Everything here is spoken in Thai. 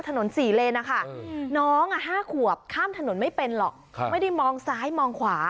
ถนนสี่เลน่ะค่ะน้องอ่ะห้าขวบข้ามถนนไม่เป็นหรอก